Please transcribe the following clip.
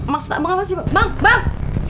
maksudnya apa sih bang